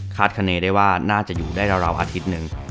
คณีได้ว่าน่าจะอยู่ได้ราวอาทิตย์หนึ่ง